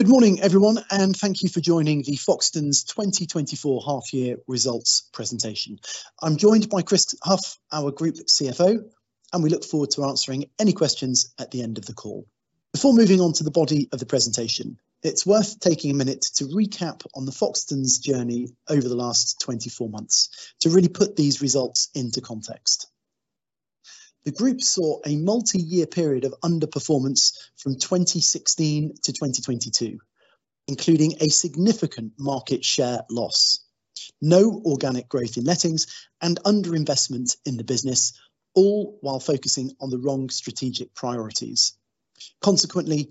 Good morning, everyone, and thank you for joining the Foxtons 2024 half-year results presentation. I'm joined by Chris Hough, our Group CFO, and we look forward to answering any questions at the end of the call. Before moving on to the body of the presentation, it's worth taking a minute to recap on the Foxtons journey over the last 24 months to really put these results into context. The Group saw a multi-year period of underperformance from 2016 to 2022, including a significant market share loss, no organic growth in lettings, and underinvestment in the business, all while focusing on the wrong strategic priorities. Consequently,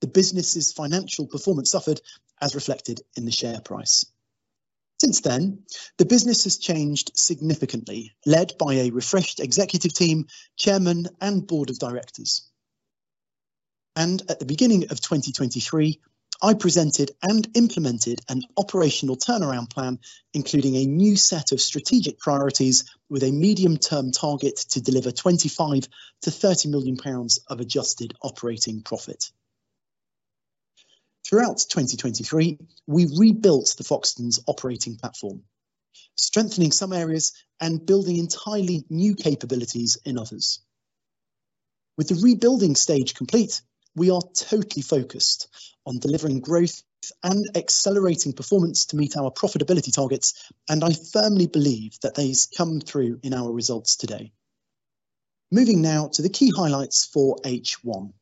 the business's financial performance suffered, as reflected in the share price. Since then, the business has changed significantly, led by a refreshed executive team, chairman, and board of directors. At the beginning of 2023, I presented and implemented an operational turnaround plan, including a new set of strategic priorities with a medium-term target to deliver 25 million-30 million pounds of adjusted operating profit. Throughout 2023, we rebuilt the Foxtons operating platform, strengthening some areas and building entirely new capabilities in others. With the rebuilding stage complete, we are totally focused on delivering growth and accelerating performance to meet our profitability targets, and I firmly believe that these come through in our results today. Moving now to the key highlights for H1.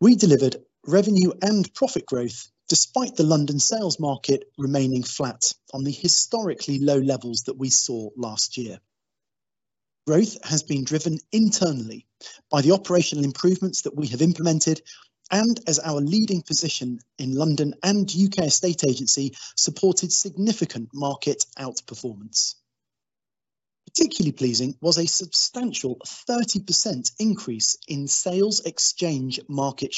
We delivered revenue and profit growth despite the London sales market remaining flat on the historically low levels that we saw last year. Growth has been driven internally by the operational improvements that we have implemented, and as our leading position in London and UK estate agency supported significant market outperformance. Particularly pleasing was a substantial 30% increase in sales exchange market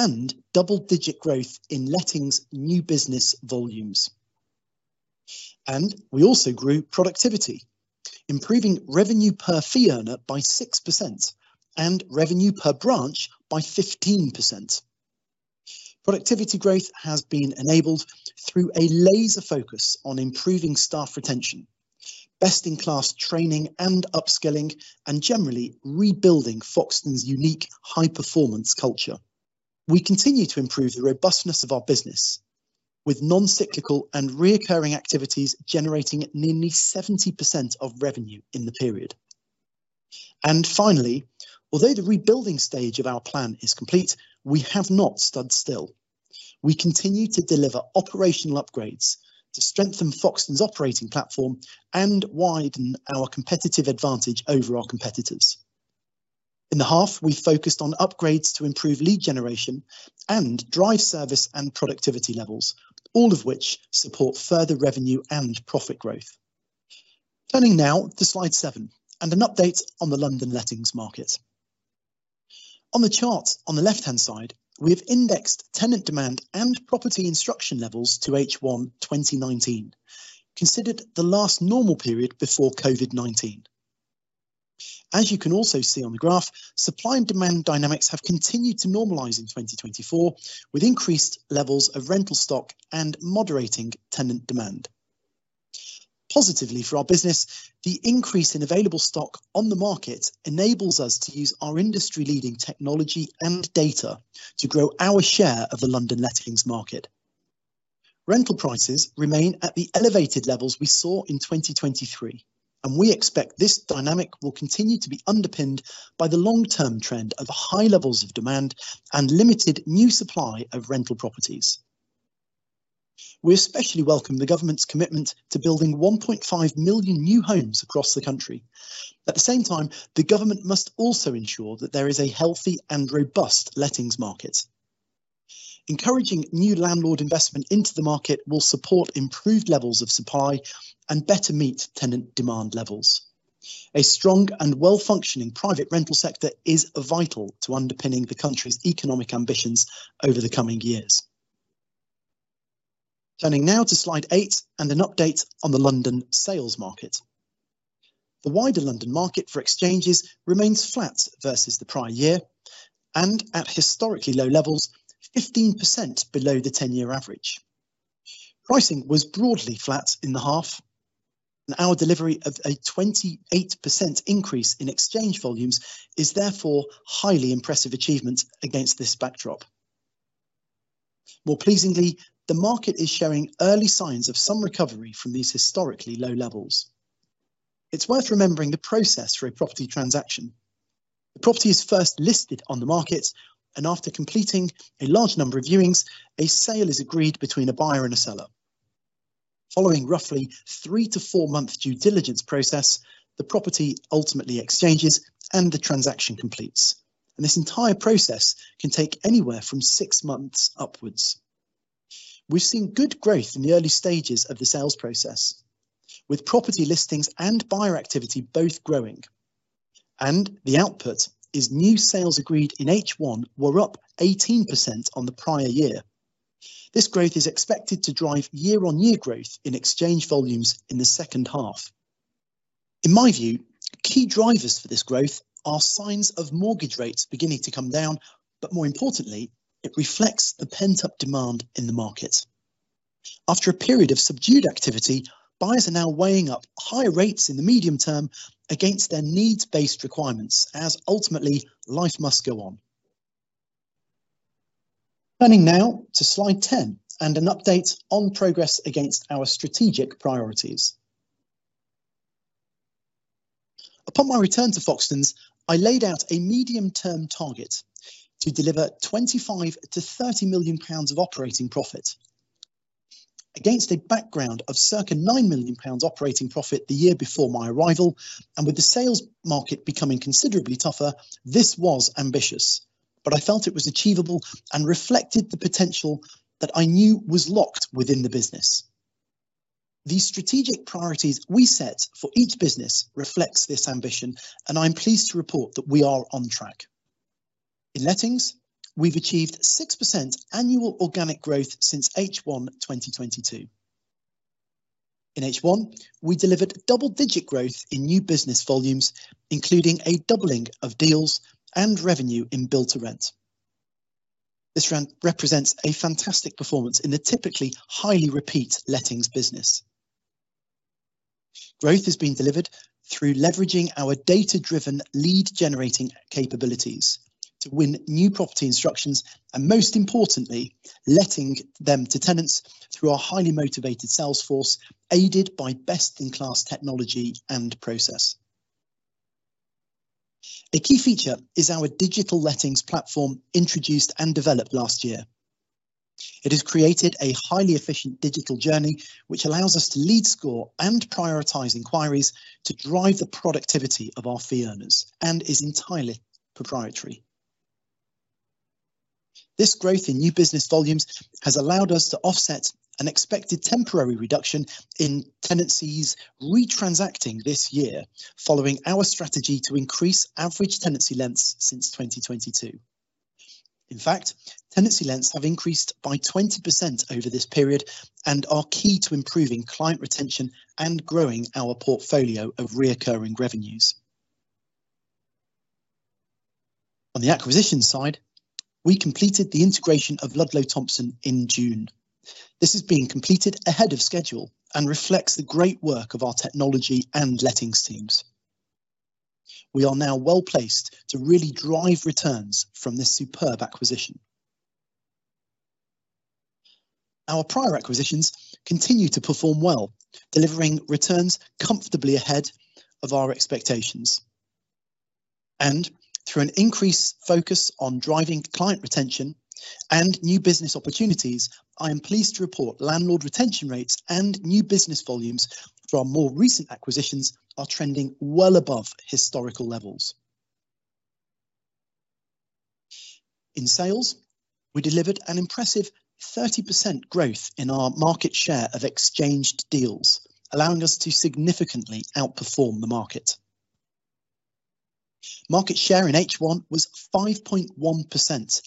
share and double-digit growth in lettings new business volumes. We also grew productivity, improving revenue per fee earner by 6% and revenue per branch by 15%. Productivity growth has been enabled through a laser focus on improving staff retention, best-in-class training and upskilling, and generally rebuilding Foxtons' unique high-performance culture. We continue to improve the robustness of our business, with non-cyclical and reoccurring activities generating nearly 70% of revenue in the period. Finally, although the rebuilding stage of our plan is complete, we have not stood still. We continue to deliver operational upgrades to strengthen Foxtons' operating platform and widen our competitive advantage over our competitors. In the half, we focused on upgrades to improve lead generation and drive service and productivity levels, all of which support further revenue and profit growth. Turning now to slide seven and an update on the London lettings market. On the chart on the left-hand side, we have indexed tenant demand and property instruction levels to H1 2019, considered the last normal period before COVID-19. As you can also see on the graph, supply and demand dynamics have continued to normalize in 2024, with increased levels of rental stock and moderating tenant demand. Positively for our business, the increase in available stock on the market enables us to use our industry-leading technology and data to grow our share of the London lettings market. Rental prices remain at the elevated levels we saw in 2023, and we expect this dynamic will continue to be underpinned by the long-term trend of high levels of demand and limited new supply of rental properties. We especially welcome the government's commitment to building 1.5 million new homes across the country. At the same time, the government must also ensure that there is a healthy and robust lettings market. Encouraging new landlord investment into the market will support improved levels of supply and better meet tenant demand levels. A strong and well-functioning private rental sector is vital to underpinning the country's economic ambitions over the coming years. Turning now to slide 8 and an update on the London sales market. The wider London market for exchanges remains flat versus the prior year and at historically low levels, 15% below the 10-year average. Pricing was broadly flat in the half, and our delivery of a 28% increase in exchange volumes is therefore a highly impressive achievement against this backdrop. More pleasingly, the market is showing early signs of some recovery from these historically low levels. It's worth remembering the process for a property transaction. The property is first listed on the market, and after completing a large number of viewings, a sale is agreed between a buyer and a seller. Following roughly a 3-4-month due diligence process, the property ultimately exchanges and the transaction completes. This entire process can take anywhere from 6 months upwards. We've seen good growth in the early stages of the sales process, with property listings and buyer activity both growing. The output is new sales agreed in H1 were up 18% on the prior year. This growth is expected to drive year-on-year growth in exchange volumes in the second half. In my view, key drivers for this growth are signs of mortgage rates beginning to come down, but more importantly, it reflects the pent-up demand in the market. After a period of subdued activity, buyers are now weighing up higher rates in the medium term against their needs-based requirements, as ultimately life must go on. Turning now to slide 10 and an update on progress against our strategic priorities. Upon my return to Foxtons, I laid out a medium-term target to deliver 25 million-30 million pounds of operating profit. Against a background of circa 9 million pounds operating profit the year before my arrival, and with the sales market becoming considerably tougher, this was ambitious, but I felt it was achievable and reflected the potential that I knew was locked within the business. The strategic priorities we set for each business reflect this ambition, and I'm pleased to report that we are on track. In lettings, we've achieved 6% annual organic growth since H1 2022. In H1, we delivered double-digit growth in new business volumes, including a doubling of deals and revenue in bill-to-rent. This represents a fantastic performance in the typically highly repeat lettings business. Growth has been delivered through leveraging our data-driven lead-generating capabilities to win new property instructions and, most importantly, letting them to tenants through our highly motivated sales force, aided by best-in-class technology and process. A key feature is our digital lettings platform introduced and developed last year. It has created a highly efficient digital journey, which allows us to lead score and prioritize inquiries to drive the productivity of our fee earners and is entirely proprietary. This growth in new business volumes has allowed us to offset an expected temporary reduction in tenancies retransacting this year, following our strategy to increase average tenancy lengths since 2022. In fact, tenancy lengths have increased by 20% over this period and are key to improving client retention and growing our portfolio of recurring revenues. On the acquisition side, we completed the integration of Ludlow Thompson in June. This has been completed ahead of schedule and reflects the great work of our technology and lettings teams. We are now well placed to really drive returns from this superb acquisition. Our prior acquisitions continue to perform well, delivering returns comfortably ahead of our expectations. Through an increased focus on driving client retention and new business opportunities, I am pleased to report landlord retention rates and new business volumes from more recent acquisitions are trending well above historical levels. In sales, we delivered an impressive 30% growth in our market share of exchanged deals, allowing us to significantly outperform the market. Market share in H1 was 5.1%,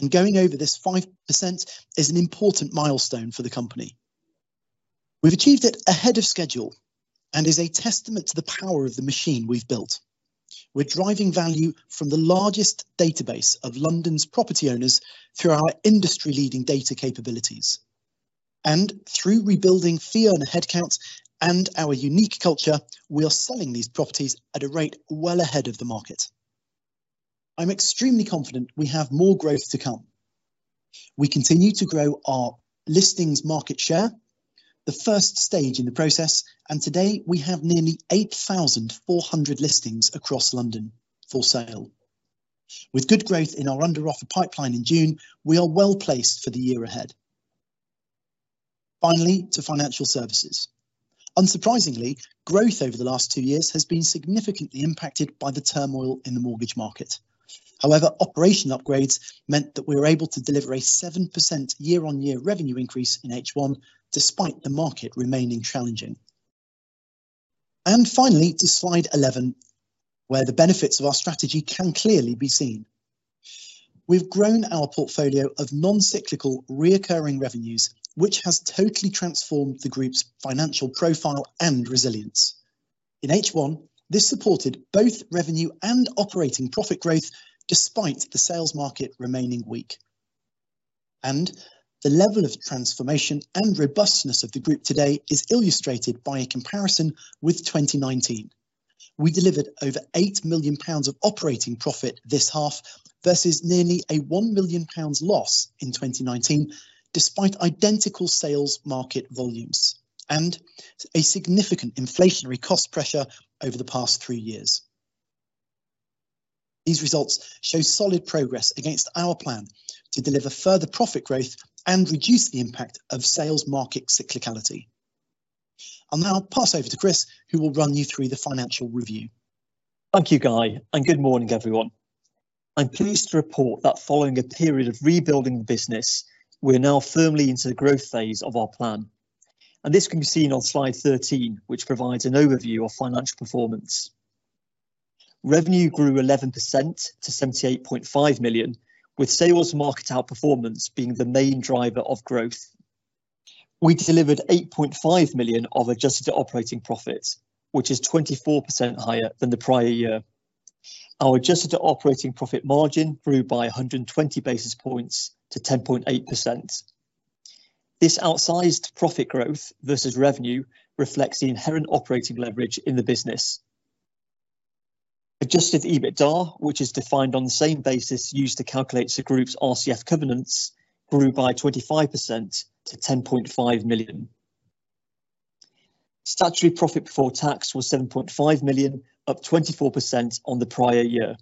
and going over this 5% is an important milestone for the company. We've achieved it ahead of schedule and is a testament to the power of the machine we've built. We're driving value from the largest database of London's property owners through our industry-leading data capabilities. Through rebuilding fee earner headcount and our unique culture, we are selling these properties at a rate well ahead of the market. I'm extremely confident we have more growth to come. We continue to grow our listings market share, the first stage in the process, and today we have nearly 8,400 listings across London for sale. With good growth in our under-offer pipeline in June, we are well placed for the year ahead. Finally, to financial services. Unsurprisingly, growth over the last two years has been significantly impacted by the turmoil in the mortgage market. However, operation upgrades meant that we were able to deliver a 7% year-on-year revenue increase in H1, despite the market remaining challenging. Finally, to slide 11, where the benefits of our strategy can clearly be seen. We've grown our portfolio of non-cyclical recurring revenues, which has totally transformed the Group's financial profile and resilience. In H1, this supported both revenue and operating profit growth, despite the sales market remaining weak. The level of transformation and robustness of the Group today is illustrated by a comparison with 2019. We delivered over 8 million pounds of operating profit this half versus nearly a 1 million pounds loss in 2019, despite identical sales market volumes and a significant inflationary cost pressure over the past three years. These results show solid progress against our plan to deliver further profit growth and reduce the impact of sales market cyclicality. I'll now pass over to Chris, who will run you through the financial review. Thank you, Guy, and good morning, everyone. I'm pleased to report that following a period of rebuilding the business, we're now firmly into the growth phase of our plan. This can be seen on slide 13, which provides an overview of financial performance. Revenue grew 11% to 78.5 million, with sales market outperformance being the main driver of growth. We delivered 8.5 million of adjusted operating profit, which is 24% higher than the prior year. Our adjusted operating profit margin grew by 120 basis points to 10.8%. This outsized profit growth versus revenue reflects the inherent operating leverage in the business. Adjusted EBITDA, which is defined on the same basis used to calculate the Group's RCF covenants, grew by 25% to 10.5 million. Statutory profit before tax was 7.5 million, up 24% on the prior year.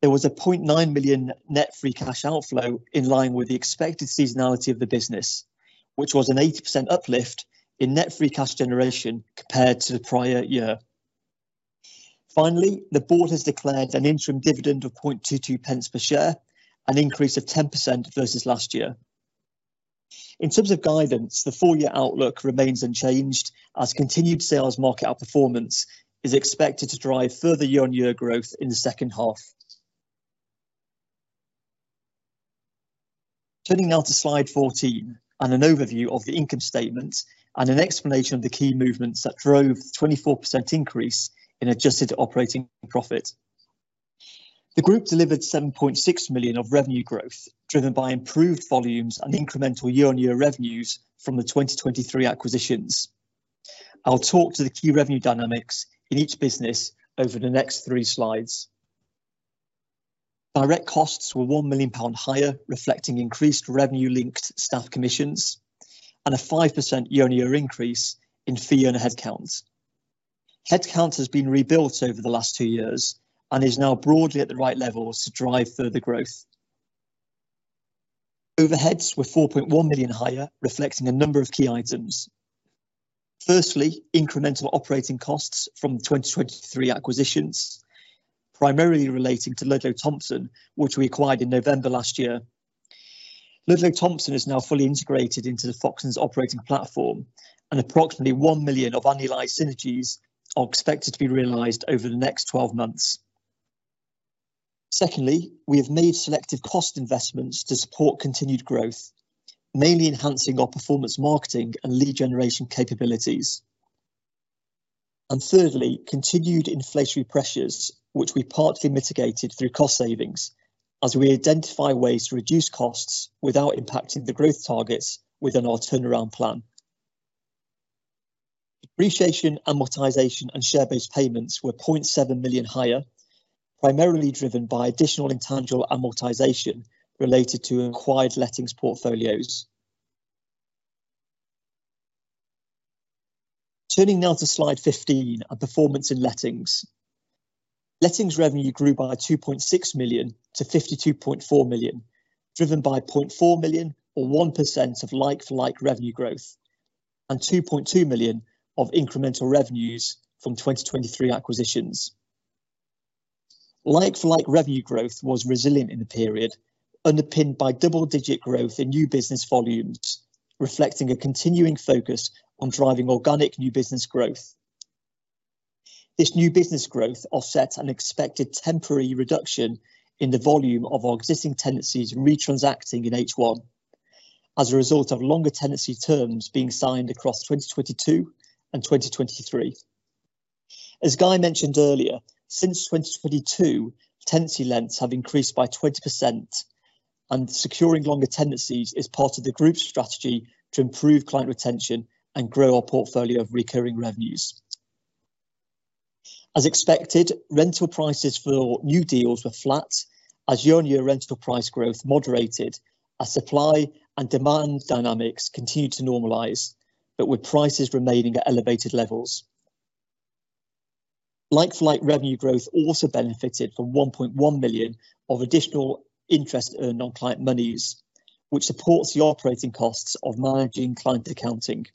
There was a 0.9 million net free cash outflow in line with the expected seasonality of the business, which was an 80% uplift in net free cash generation compared to the prior year. Finally, the board has declared an interim dividend of 0.22 pence per share, an increase of 10% versus last year. In terms of guidance, the four-year outlook remains unchanged, as continued sales market outperformance is expected to drive further year-on-year growth in the second half. Turning now to slide 14 and an overview of the income statement and an explanation of the key movements that drove the 24% increase in adjusted operating profit. The Group delivered 7.6 million of revenue growth, driven by improved volumes and incremental year-on-year revenues from the 2023 acquisitions. I'll talk to the key revenue dynamics in each business over the next three slides. Direct costs were 1 million pound higher, reflecting increased revenue-linked staff commissions and a 5% year-on-year increase in fee earner headcount. Headcount has been rebuilt over the last two years and is now broadly at the right levels to drive further growth. Overheads were 4.1 million higher, reflecting a number of key items. Firstly, incremental operating costs from 2023 acquisitions, primarily relating to Ludlow Thompson, which we acquired in November last year. Ludlow Thompson is now fully integrated into the Foxtons Operating Platform, and approximately 1 million of annualized synergies are expected to be realized over the next 12 months. Secondly, we have made selective cost investments to support continued growth, mainly enhancing our performance marketing and lead generation capabilities. And thirdly, continued inflationary pressures, which we partly mitigated through cost savings, as we identify ways to reduce costs without impacting the growth targets within our turnaround plan. Depreciation, amortization, and share-based payments were 0.7 million higher, primarily driven by additional intangible amortization related to acquired lettings portfolios. Turning now to slide 15 and performance in lettings. Lettings revenue grew by 2.6 million to 52.4 million, driven by 0.4 million, or 1% of like-for-like revenue growth, and 2.2 million of incremental revenues from 2023 acquisitions. Like-for-like revenue growth was resilient in the period, underpinned by double-digit growth in new business volumes, reflecting a continuing focus on driving organic new business growth. This new business growth offsets an expected temporary reduction in the volume of our existing tenancies retransacting in H1, as a result of longer tenancy terms being signed across 2022 and 2023. As Guy mentioned earlier, since 2022, tenancy lengths have increased by 20%, and securing longer tenancies is part of the Group's strategy to improve client retention and grow our portfolio of recurring revenues. As expected, rental prices for new deals were flat, as year-on-year rental price growth moderated, as supply and demand dynamics continued to normalize, but with prices remaining at elevated levels. Like-for-like revenue growth also benefited from 1.1 million of additional interest earned on client monies, which supports the operating costs of managing client accounting.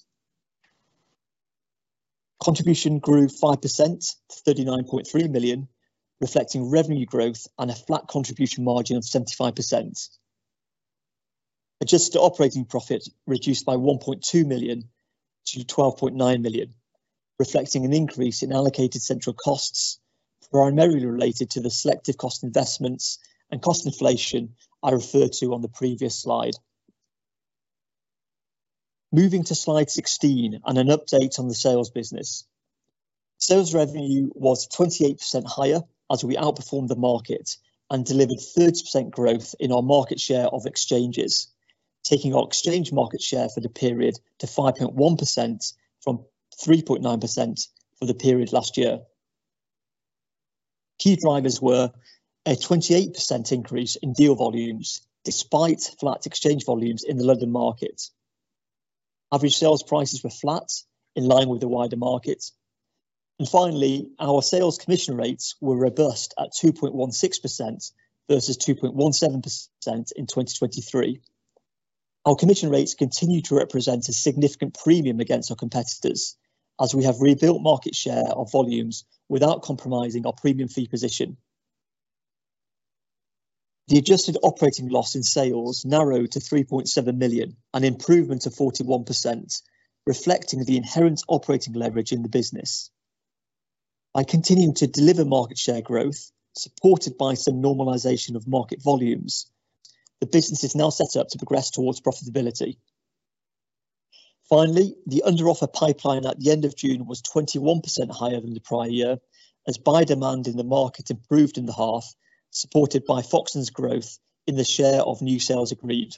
Contribution grew 5% to 39.3 million, reflecting revenue growth and a flat contribution margin of 75%. Adjusted operating profit reduced by 1.2 million to 12.9 million, reflecting an increase in allocated central costs, primarily related to the selective cost investments and cost inflation I referred to on the previous slide. Moving to slide 16 and an update on the sales business. Sales revenue was 28% higher as we outperformed the market and delivered 30% growth in our market share of exchanges, taking our exchange market share for the period to 5.1% from 3.9% for the period last year. Key drivers were a 28% increase in deal volumes despite flat exchange volumes in the London market. Average sales prices were flat, in line with the wider market. And finally, our sales commission rates were robust at 2.16% versus 2.17% in 2023. Our commission rates continue to represent a significant premium against our competitors, as we have rebuilt market share of volumes without compromising our premium fee position. The adjusted operating loss in sales narrowed to 3.7 million, an improvement of 41%, reflecting the inherent operating leverage in the business. By continuing to deliver market share growth, supported by some normalization of market volumes, the business is now set up to progress towards profitability. Finally, the under-offer pipeline at the end of June was 21% higher than the prior year, as buy demand in the market improved in the half, supported by Foxtons' growth in the share of new sales agreed.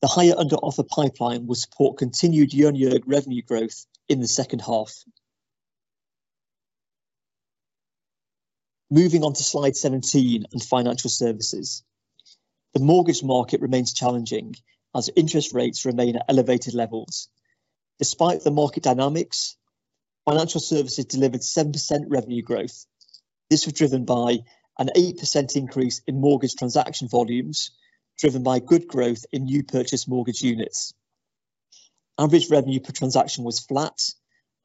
The higher under-offer pipeline will support continued year-on-year revenue growth in the second half. Moving on to slide 17 and Financial Services. The mortgage market remains challenging, as interest rates remain at elevated levels. Despite the market dynamics, Financial Services delivered 7% revenue growth. This was driven by an 8% increase in mortgage transaction volumes, driven by good growth in new purchased mortgage units. Average revenue per transaction was flat,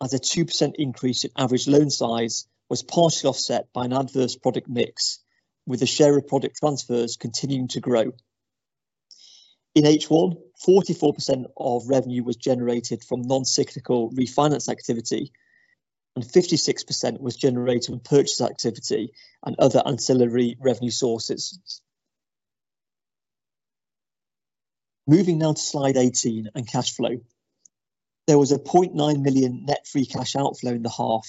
as a 2% increase in average loan size was partially offset by an adverse product mix, with the share of product transfers continuing to grow. In H1, 44% of revenue was generated from non-cyclical refinance activity, and 56% was generated from purchase activity and other ancillary revenue sources. Moving now to slide 18 and cash flow. There was a 0.9 million net free cash outflow in the half,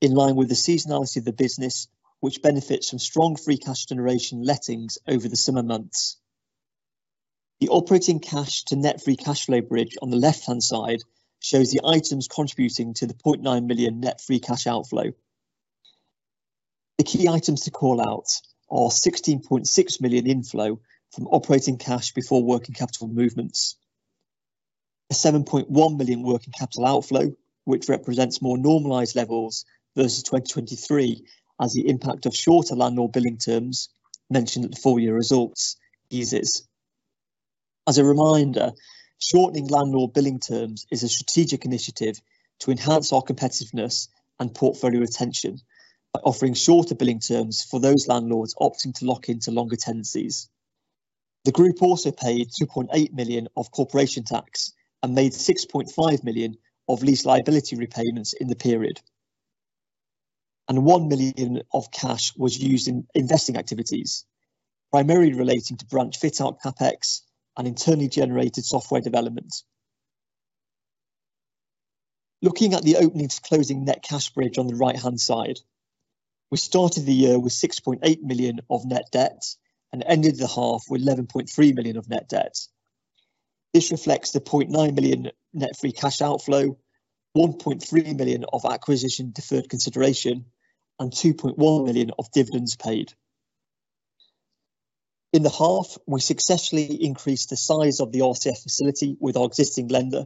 in line with the seasonality of the business, which benefits from strong free cash generation lettings over the summer months. The operating cash to net free cash flow bridge on the left-hand side shows the items contributing to the 0.9 million net free cash outflow. The key items to call out are 16.6 million inflow from operating cash before working capital movements, a 7.1 million working capital outflow, which represents more normalized levels versus 2023, as the impact of shorter landlord billing terms mentioned at the four-year results eases. As a reminder, shortening landlord billing terms is a strategic initiative to enhance our competitiveness and portfolio retention by offering shorter billing terms for those landlords opting to lock into longer tenancies. The Group also paid 2.8 million of corporation tax and made 6.5 million of lease liability repayments in the period. 1 million of cash was used in investing activities, primarily relating to branch fit-out CapEx and internally generated software development. Looking at the opening to closing net cash bridge on the right-hand side, we started the year with 6.8 million of net debt and ended the half with 11.3 million of net debt. This reflects the 0.9 million net free cash outflow, 1.3 million of acquisition deferred consideration, and 2.1 million of dividends paid. In the half, we successfully increased the size of the RCF facility with our existing lender,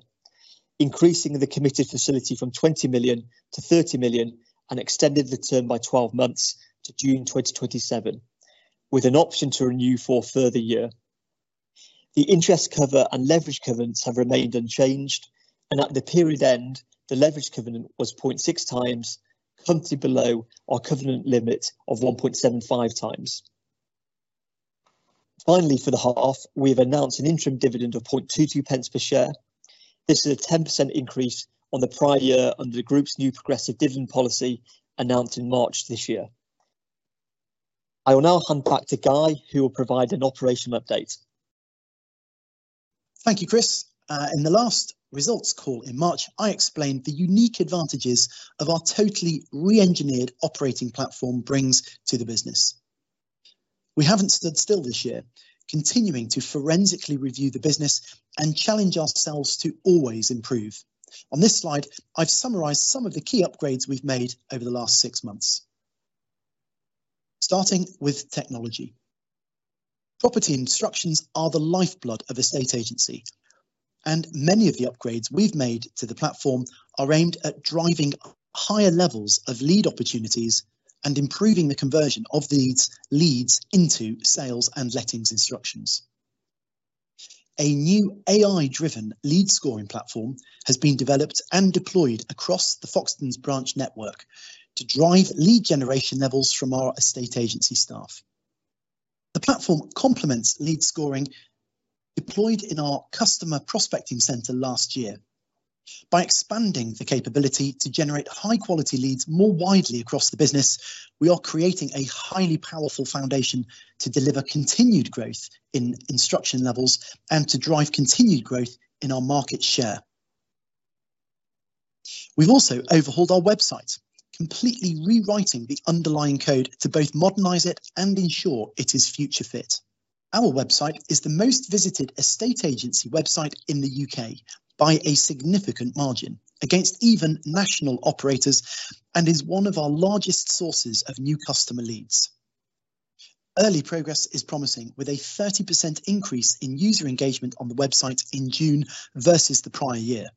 increasing the committed facility from 20 million to 30 million and extended the term by 12 months to June 2027, with an option to renew for a further year. The interest cover and leverage covenants have remained unchanged, and at the period end, the leverage covenant was 0.6 times, currently below our covenant limit of 1.75 times. Finally, for the half, we have announced an interim dividend of 0.22 pence per share. This is a 10% increase on the prior year under the Group's new progressive dividend policy announced in March this year. I will now hand back to Guy, who will provide an operational update. Thank you, Chris. In the last results call in March, I explained the unique advantages of our totally re-engineered operating platform brings to the business. We haven't stood still this year, continuing to forensically review the business and challenge ourselves to always improve. On this slide, I've summarized some of the key upgrades we've made over the last six months, starting with technology. Property instructions are the lifeblood of an estate agency, and many of the upgrades we've made to the platform are aimed at driving higher levels of lead opportunities and improving the conversion of these leads into sales and lettings instructions. A new AI-driven lead scoring platform has been developed and deployed across the Foxtons branch network to drive lead generation levels from our estate agency staff. The platform complements lead scoring deployed in our Customer Prospecting Centre last year. By expanding the capability to generate high-quality leads more widely across the business, we are creating a highly powerful foundation to deliver continued growth in instruction levels and to drive continued growth in our market share. We've also overhauled our website, completely rewriting the underlying code to both modernize it and ensure it is future-fit. Our website is the most visited estate agency website in the U.K. by a significant margin against even national operators and is one of our largest sources of new customer leads. Early progress is promising, with a 30% increase in user engagement on the website in June versus the prior year.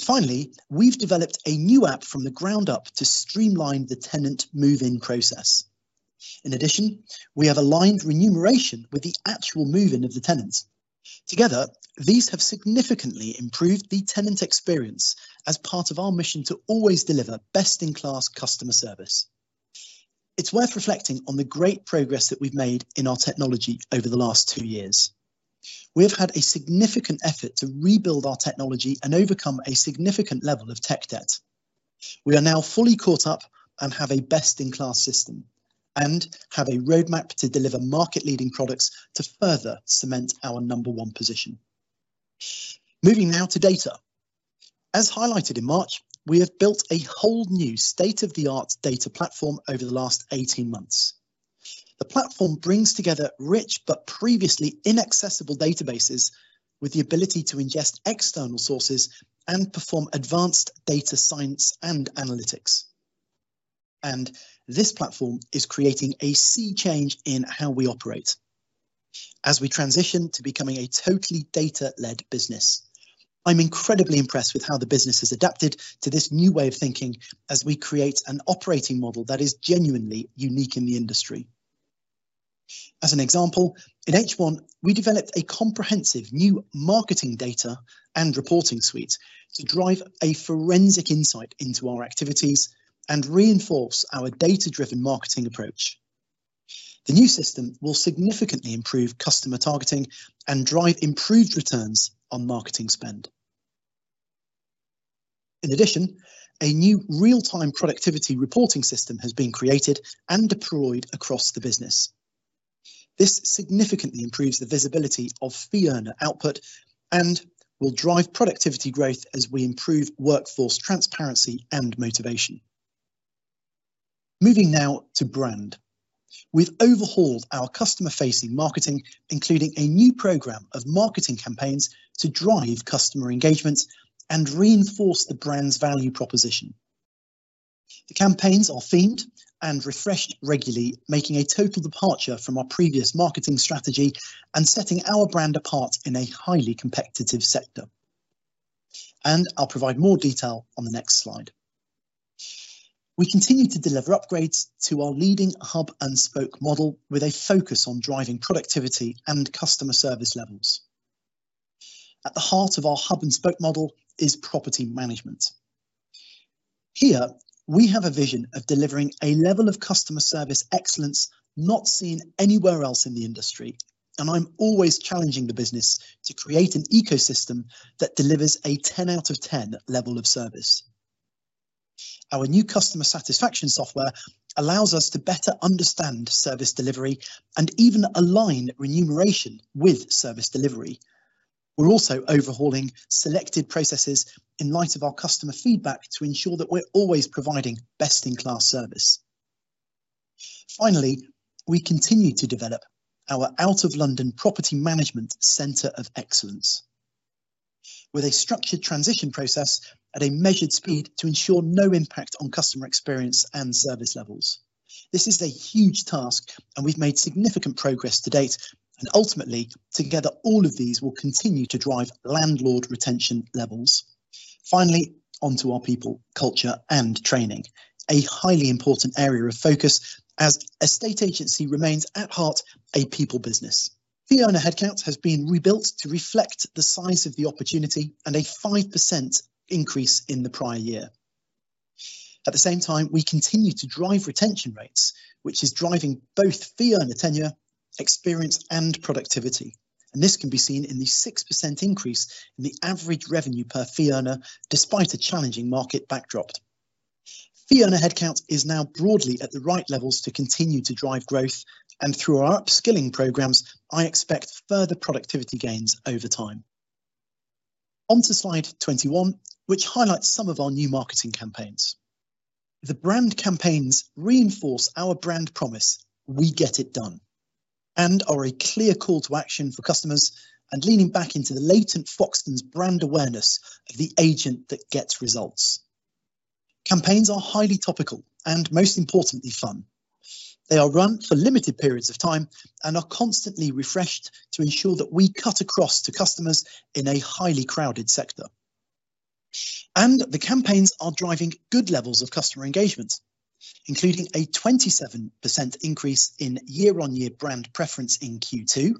Finally, we've developed a new app from the ground up to streamline the tenant move-in process. In addition, we have aligned remuneration with the actual move-in of the tenants. Together, these have significantly improved the tenant experience as part of our mission to always deliver best-in-class customer service. It's worth reflecting on the great progress that we've made in our technology over the last 2 years. We have had a significant effort to rebuild our technology and overcome a significant level of tech debt. We are now fully caught up and have a best-in-class system and have a roadmap to deliver market-leading products to further cement our number one position. Moving now to data. As highlighted in March, we have built a whole new state-of-the-art data platform over the last 18 months. The platform brings together rich but previously inaccessible databases with the ability to ingest external sources and perform advanced data science and analytics. This platform is creating a sea change in how we operate as we transition to becoming a totally data-led business. I'm incredibly impressed with how the business has adapted to this new way of thinking as we create an operating model that is genuinely unique in the industry. As an example, in H1, we developed a comprehensive new marketing data and reporting suite to drive a forensic insight into our activities and reinforce our data-driven marketing approach. The new system will significantly improve customer targeting and drive improved returns on marketing spend. In addition, a new real-time productivity reporting system has been created and deployed across the business. This significantly improves the visibility of fee earner output and will drive productivity growth as we improve workforce transparency and motivation. Moving now to brand. We've overhauled our customer-facing marketing, including a new program of marketing campaigns to drive customer engagement and reinforce the brand's value proposition. The campaigns are themed and refreshed regularly, making a total departure from our previous marketing strategy and setting our brand apart in a highly competitive sector. I'll provide more detail on the next slide. We continue to deliver upgrades to our leading hub and spoke model with a focus on driving productivity and customer service levels. At the heart of our hub and spoke model is property management. Here, we have a vision of delivering a level of customer service excellence not seen anywhere else in the industry, and I'm always challenging the business to create an ecosystem that delivers a 10 out of 10 level of service. Our new customer satisfaction software allows us to better understand service delivery and even align remuneration with service delivery. We're also overhauling selected processes in light of our customer feedback to ensure that we're always providing best-in-class service. Finally, we continue to develop our out-of-London property management Centre of Excellence with a structured transition process at a measured speed to ensure no impact on customer experience and service levels. This is a huge task, and we've made significant progress to date. Ultimately, together, all of these will continue to drive landlord retention levels. Finally, onto our people, culture, and training, a highly important area of focus as estate agency remains at heart a people business. Fee earner headcount has been rebuilt to reflect the size of the opportunity and a 5% increase in the prior year. At the same time, we continue to drive retention rates, which is driving both fee earner tenure, experience, and productivity. This can be seen in the 6% increase in the average revenue per fee earner, despite a challenging market backdrop. Fee earner headcount is now broadly at the right levels to continue to drive growth, and through our upskilling programs, I expect further productivity gains over time. On to slide 21, which highlights some of our new marketing campaigns. The brand campaigns reinforce our brand promise, "We get it done," and are a clear call to action for customers, and leaning back into the latent Foxtons brand awareness of the agent that gets results. Campaigns are highly topical and, most importantly, fun. They are run for limited periods of time and are constantly refreshed to ensure that we cut across to customers in a highly crowded sector. And the campaigns are driving good levels of customer engagement, including a 27% increase in year-on-year brand preference in Q2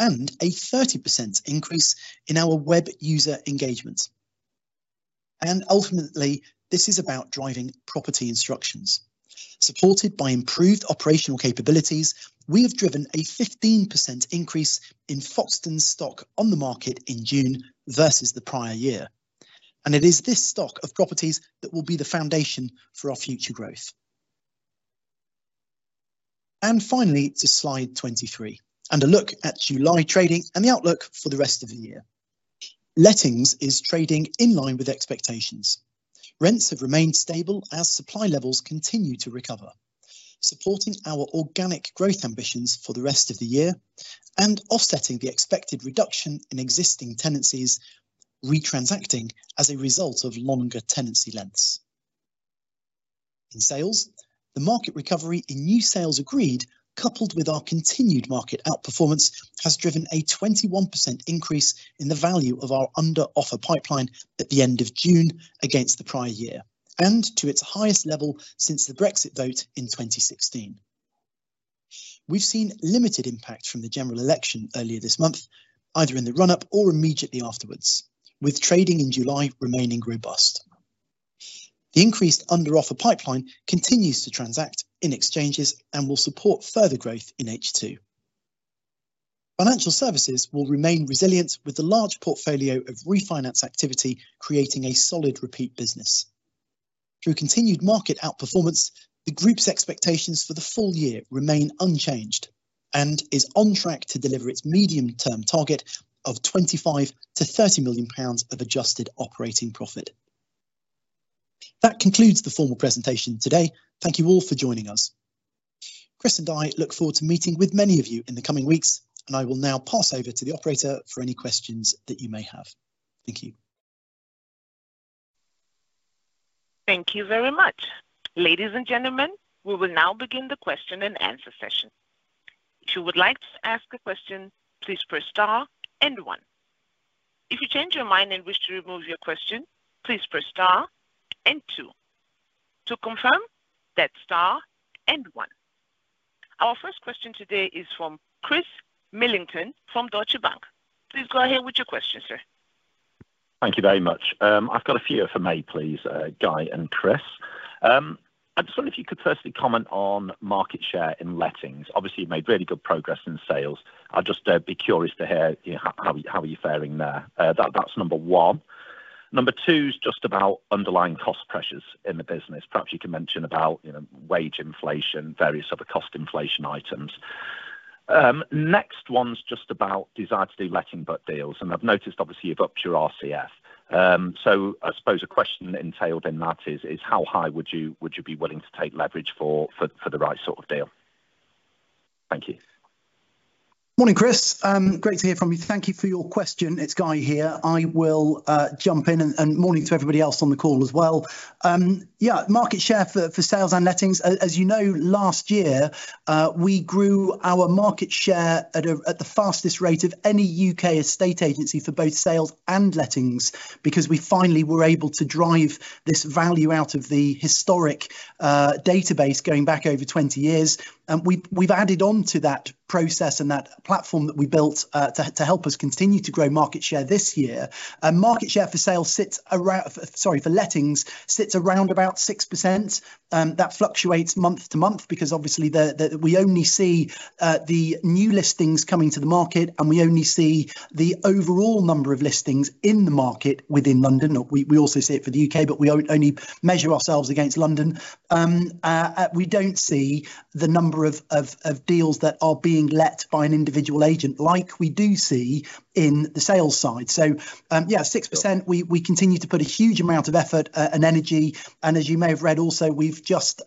and a 30% increase in our web user engagement. And ultimately, this is about driving property instructions. Supported by improved operational capabilities, we have driven a 15% increase in Foxtons stock on the market in June versus the prior year. It is this stock of properties that will be the foundation for our future growth. Finally, to slide 23 and a look at July trading and the outlook for the rest of the year. Lettings is trading in line with expectations. Rents have remained stable as supply levels continue to recover, supporting our organic growth ambitions for the rest of the year and offsetting the expected reduction in existing tenancies, retransacting as a result of longer tenancy lengths. In sales, the market recovery in new sales agreed, coupled with our continued market outperformance, has driven a 21% increase in the value of our under-offer pipeline at the end of June against the prior year and to its highest level since the Brexit vote in 2016. We've seen limited impact from the general election earlier this month, either in the run-up or immediately afterward, with trading in July remaining robust. The increased under-offer pipeline continues to transact in exchanges and will support further growth in H2. Financial services will remain resilient with the large portfolio of refinance activity creating a solid repeat business. Through continued market outperformance, the Group's expectations for the full year remain unchanged and is on track to deliver its medium-term target of 25 million-30 million pounds of adjusted operating profit. That concludes the formal presentation today. Thank you all for joining us. Chris and I look forward to meeting with many of you in the coming weeks, and I will now pass over to the operator for any questions that you may have. Thank you. Thank you very much. Ladies and gentlemen, we will now begin the question and answer session. If you would like to ask a question, please press star and one. If you change your mind and wish to remove your question, please press star and two. To confirm, that's star and one. Our first question today is from Chris Millington from Deutsche Bank. Please go ahead with your question, sir. Thank you very much. I've got a few for me, please, Guy and Chris. I just wonder if you could firstly comment on market share in lettings. Obviously, you've made really good progress in sales. I'd just be curious to hear how are you faring there. That's number one. Number two is just about underlying cost pressures in the business. Perhaps you can mention about wage inflation, various other cost inflation items. Next one's just about desire to do letting deals. And I've noticed, obviously, you've upped your RCF. So I suppose a question entailed in that is, how high would you be willing to take leverage for the right sort of deal? Thank you. Morning, Chris. Great to hear from you. Thank you for your question. It's Guy here. I will jump in and morning to everybody else on the call as well. Yeah, market share for sales and lettings. As you know, last year, we grew our market share at the fastest rate of any U.K. estate agency for both sales and lettings because we finally were able to drive this value out of the historic database going back over 20 years. And we've added on to that process and that platform that we built to help us continue to grow market share this year. Market share for sales sits around, sorry, for lettings sits around about 6%. That fluctuates month to month because, obviously, we only see the new listings coming to the market, and we only see the overall number of listings in the market within London. We also see it for the U.K., but we only measure ourselves against London. We don't see the number of deals that are being let by an individual agent like we do see in the sales side. So, yeah, 6%. We continue to put a huge amount of effort and energy. And as you may have read also, we've just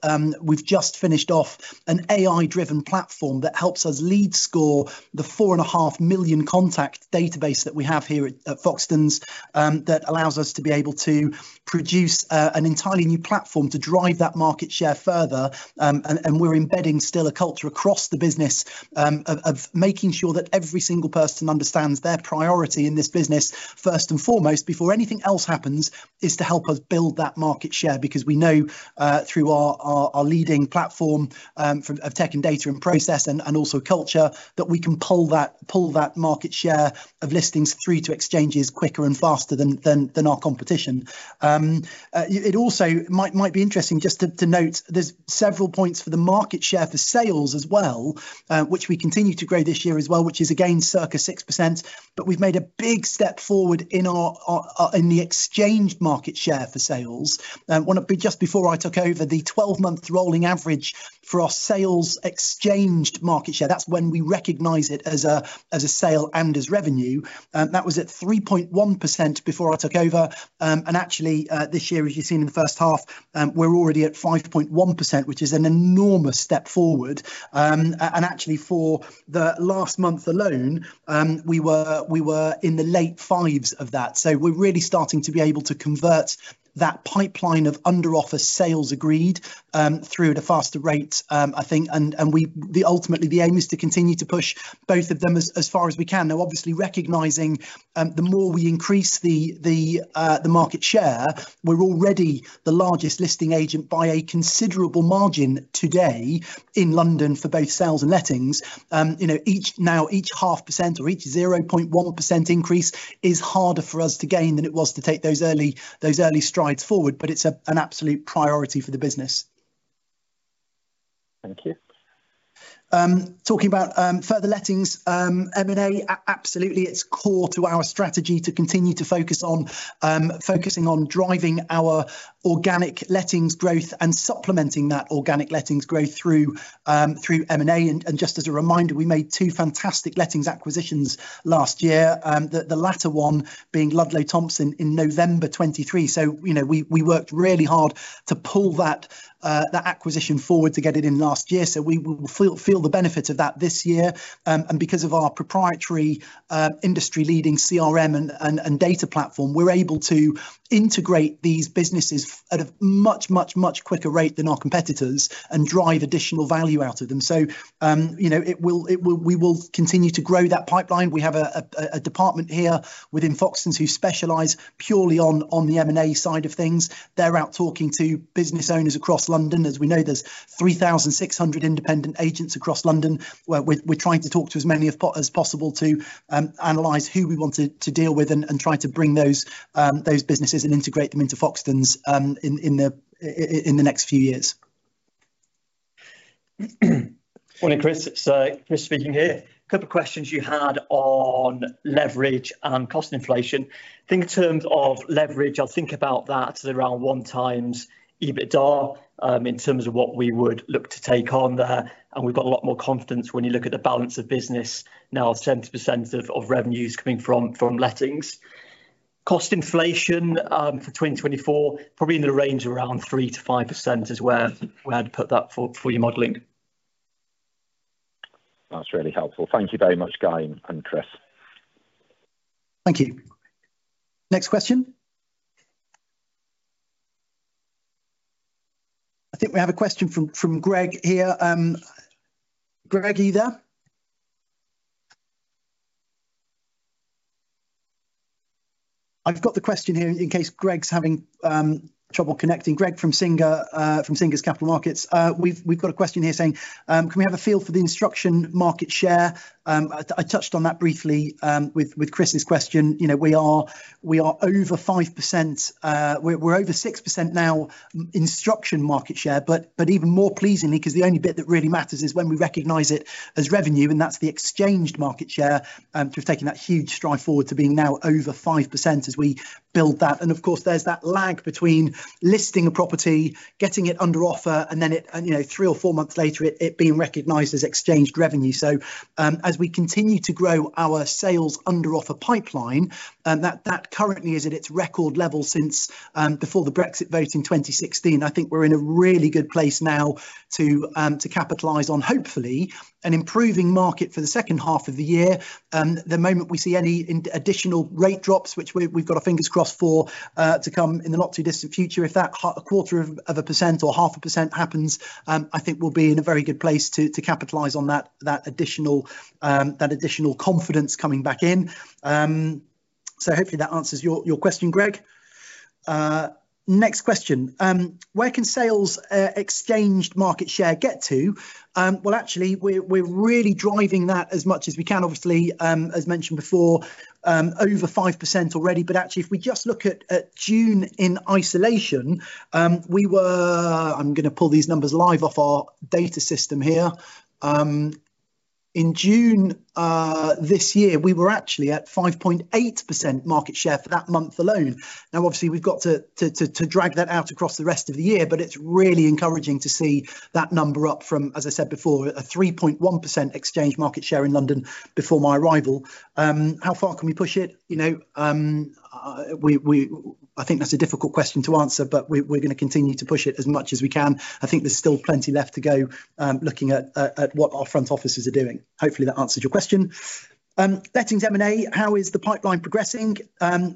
finished off an AI-driven platform that helps us lead score the 4.5 million contact database that we have here at Foxtons that allows us to be able to produce an entirely new platform to drive that market share further. We're embedding still a culture across the business of making sure that every single person understands their priority in this business first and foremost before anything else happens is to help us build that market share because we know through our leading platform of tech and data and process and also culture that we can pull that market share of listings through to exchanges quicker and faster than our competition. It also might be interesting just to note there's several points for the market share for sales as well, which we continue to grow this year as well, which is again circa 6%. But we've made a big step forward in the exchange market share for sales. Just before I took over, the 12-month rolling average for our sales exchange market share, that's when we recognize it as a sale and as revenue. That was at 3.1% before I took over. Actually, this year, as you've seen in the first half, we're already at 5.1%, which is an enormous step forward. Actually, for the last month alone, we were in the late fives of that. So we're really starting to be able to convert that pipeline of under-offer sales agreed through at a faster rate, I think. And ultimately, the aim is to continue to push both of them as far as we can. Now, obviously, recognizing the more we increase the market share, we're already the largest listing agent by a considerable margin today in London for both sales and lettings. Now, each half percent or each 0.1% increase is harder for us to gain than it was to take those early strides forward, but it's an absolute priority for the business. Thank you. Talking about further lettings, M&A, absolutely. It's core to our strategy to continue to focus on driving our organic lettings growth and supplementing that organic lettings growth through M&A. Just as a reminder, we made two fantastic lettings acquisitions last year, the latter one being Ludlow Thompson in November 2023. We worked really hard to pull that acquisition forward to get it in last year. We will feel the benefit of that this year. Because of our proprietary industry-leading CRM and data platform, we're able to integrate these businesses at a much, much, much quicker rate than our competitors and drive additional value out of them. We will continue to grow that pipeline. We have a department here within Foxtons who specialize purely on the M&A side of things. They're out talking to business owners across London. As we know, there's 3,600 independent agents across London. We're trying to talk to as many as possible to analyze who we want to deal with and try to bring those businesses and integrate them into Foxtons in the next few years. Morning, Chris. So Chris speaking here. A couple of questions you had on leverage and cost inflation. I think in terms of leverage, I'll think about that at around 1x EBITDA in terms of what we would look to take on there. And we've got a lot more confidence when you look at the balance of business now, 70% of revenues coming from lettings. Cost inflation for 2024, probably in the range of around 3%-5% is where we had put that for your modeling. That's really helpful. Thank you very much, Guy and Chris. Thank you. Next question. I think we have a question from Greg here. Greg, are you there? I've got the question here in case Greg's having trouble connecting. Greg from Singer Capital Markets. We've got a question here saying, "Can we have a feel for the instruction market share?" I touched on that briefly with Chris's question. We are over 5%. We're over 6% now instruction market share, but even more pleasingly, because the only bit that really matters is when we recognize it as revenue, and that's the exchanged market share to have taken that huge stride forward to being now over 5% as we build that. And of course, there's that lag between listing a property, getting it under offer, and then three or four months later, it being recognized as exchanged revenue. So as we continue to grow our sales under offer pipeline, that currently is at its record level since before the Brexit vote in 2016. I think we're in a really good place now to capitalize on, hopefully, an improving market for the second half of the year. The moment we see any additional rate drops, which we've got our fingers crossed for to come in the not too distant future, if that 0.25% or 0.5% happens, I think we'll be in a very good place to capitalize on that additional confidence coming back in. So hopefully, that answers your question, Greg. Next question. Where can sales exchange market share get to? Well, actually, we're really driving that as much as we can, obviously, as mentioned before, over 5% already. But actually, if we just look at June in isolation, we were. I'm going to pull these numbers live off our data system here. In June this year, we were actually at 5.8% market share for that month alone. Now, obviously, we've got to drag that out across the rest of the year, but it's really encouraging to see that number up from, as I said before, a 3.1% exchange market share in London before my arrival. How far can we push it? I think that's a difficult question to answer, but we're going to continue to push it as much as we can. I think there's still plenty left to go looking at what our front offices are doing. Hopefully, that answers your question. Lettings M&A, how is the pipeline progressing?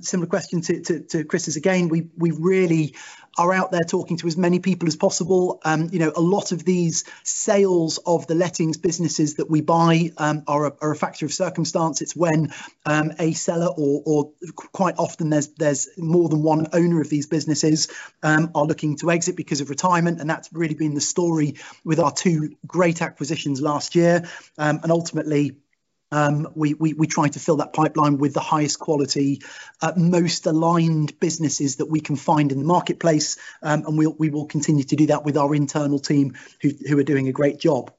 Similar question to Chris's again. We really are out there talking to as many people as possible. A lot of these sales of the lettings businesses that we buy are a factor of circumstance. It's when a seller, or quite often, there's more than one owner of these businesses are looking to exit because of retirement. That's really been the story with our two great acquisitions last year. Ultimately, we try to fill that pipeline with the highest quality, most aligned businesses that we can find in the marketplace. We will continue to do that with our internal team who are doing a great job.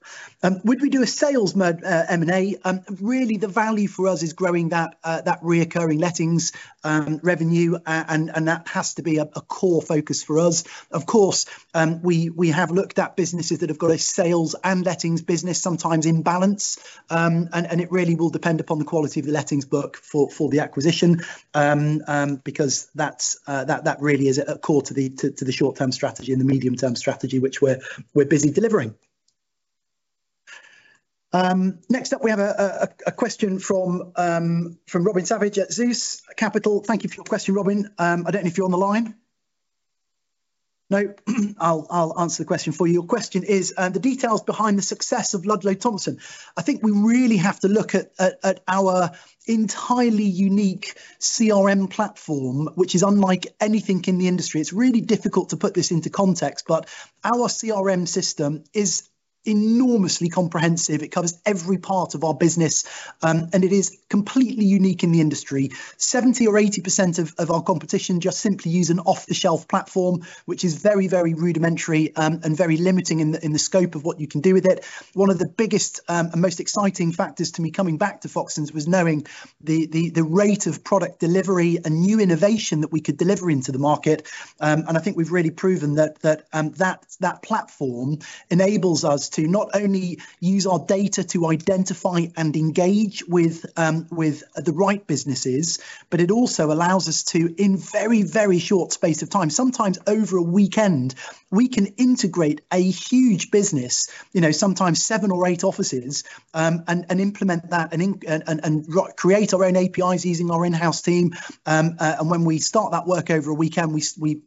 Would we do a sales M&A? Really, the value for us is growing that recurring lettings revenue, and that has to be a core focus for us. Of course, we have looked at businesses that have got a sales and lettings business sometimes in balance. It really will depend upon the quality of the lettings book for the acquisition because that really is a core to the short-term strategy and the medium-term strategy, which we're busy delivering. Next up, we have a question from Robin Savage at Zeus Capital. Thank you for your question, Robin. I don't know if you're on the line. No, I'll answer the question for you. Your question is, "The details behind the success of Ludlow Thompson." I think we really have to look at our entirely unique CRM platform, which is unlike anything in the industry. It's really difficult to put this into context, but our CRM system is enormously comprehensive. It covers every part of our business, and it is completely unique in the industry. 70% or 80% of our competition just simply use an off-the-shelf platform, which is very, very rudimentary and very limiting in the scope of what you can do with it. One of the biggest and most exciting factors to me coming back to Foxtons was knowing the rate of product delivery and new innovation that we could deliver into the market. I think we've really proven that that platform enables us to not only use our data to identify and engage with the right businesses, but it also allows us to, in very, very short space of time, sometimes over a weekend, we can integrate a huge business, sometimes seven or eight offices, and implement that and create our own APIs using our in-house team. When we start that work over a weekend, we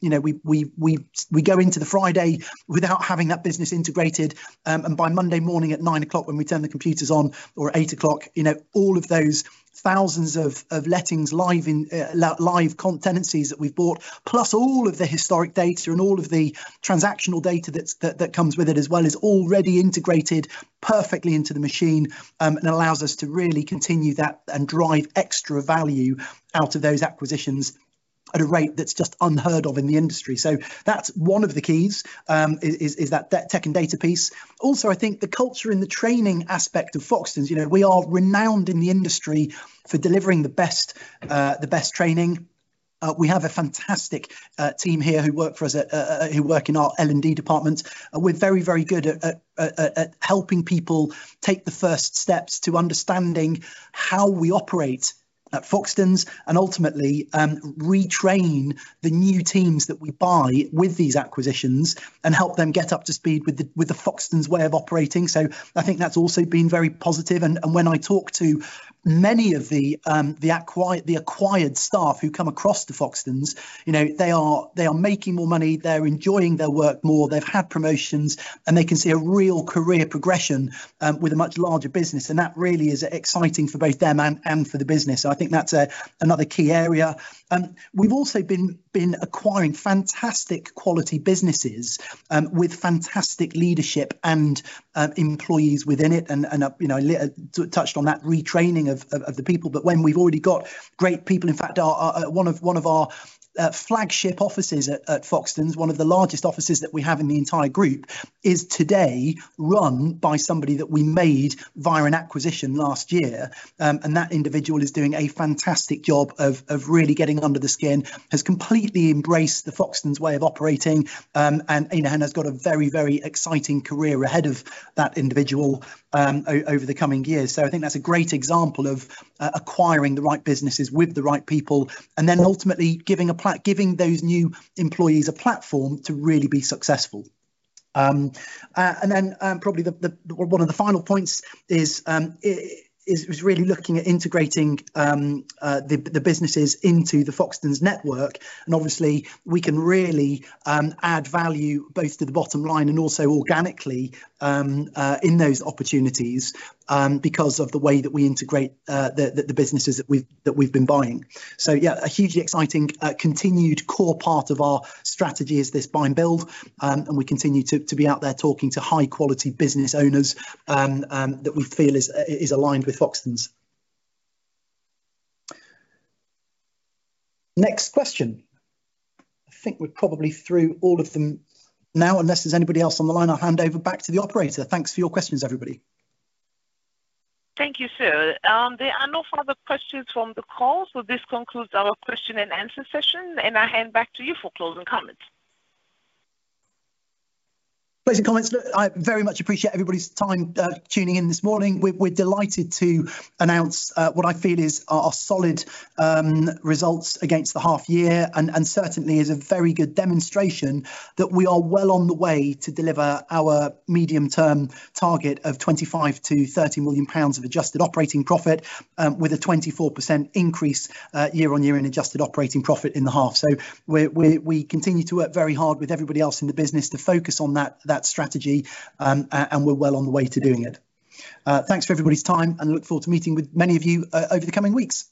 go into the Friday without having that business integrated. By Monday morning at 9:00 A.M., when we turn the computers on or 8:00 A.M., all of those thousands of lettings live tenancies that we've bought, plus all of the historic data and all of the transactional data that comes with it, as well as already integrated perfectly into the machine, and allows us to really continue that and drive extra value out of those acquisitions at a rate that's just unheard of in the industry. So that's one of the keys is that tech and data piece. Also, I think the culture and the training aspect of Foxtons. We are renowned in the industry for delivering the best training. We have a fantastic team here who work for us, who work in our L&D department. We're very, very good at helping people take the first steps to understanding how we operate at Foxtons and ultimately retrain the new teams that we buy with these acquisitions and help them get up to speed with the Foxtons way of operating. So I think that's also been very positive. And when I talk to many of the acquired staff who come across to Foxtons, they are making more money. They're enjoying their work more. They've had promotions, and they can see a real career progression with a much larger business. And that really is exciting for both them and for the business. So I think that's another key area. We've also been acquiring fantastic quality businesses with fantastic leadership and employees within it. And I touched on that retraining of the people. But when we've already got great people, in fact, one of our flagship offices at Foxtons, one of the largest offices that we have in the entire group, is today run by somebody that we made via an acquisition last year. And that individual is doing a fantastic job of really getting under the skin, has completely embraced the Foxtons way of operating, and has got a very, very exciting career ahead of that individual over the coming years. So I think that's a great example of acquiring the right businesses with the right people and then ultimately giving those new employees a platform to really be successful. And then probably one of the final points is really looking at integrating the businesses into the Foxtons network. And obviously, we can really add value both to the bottom line and also organically in those opportunities because of the way that we integrate the businesses that we've been buying. So yeah, a hugely exciting continued core part of our strategy is this buy and build, and we continue to be out there talking to high-quality business owners that we feel is aligned with Foxtons. Next question. I think we're probably through all of them now. Unless there's anybody else on the line, I'll hand over back to the operator. Thanks for your questions, everybody. Thank you, sir. There are no further questions from the call, so this concludes our question and answer session, and I hand back to you for closing comments. Closing comments. I very much appreciate everybody's time tuning in this morning. We're delighted to announce what I feel is our solid results against the half year and certainly is a very good demonstration that we are well on the way to deliver our medium-term target of 25-30 million pounds of adjusted operating profit with a 24% increase year-on-year in adjusted operating profit in the half. So we continue to work very hard with everybody else in the business to focus on that strategy, and we're well on the way to doing it. Thanks for everybody's time, and look forward to meeting with many of you over the coming weeks.